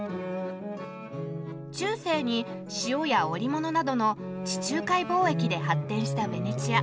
中世に塩や織物などの地中海貿易で発展したベネチア。